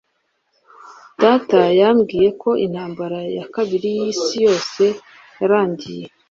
Data yambwiye ko Intambara ya Kabiri yIsi Yose yarangiye